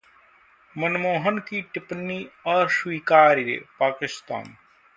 मनमोहन की टिप्पणी अस्वीकार्य: पाकिस्तान